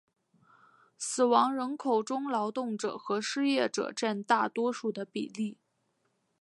死亡人口中劳动者和失业者占大多数的比例。